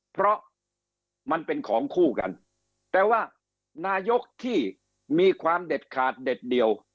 เพราะมันเป็นของคู่กันแต่ว่านายกที่มีความเด็ดขาดเด็ดเดียว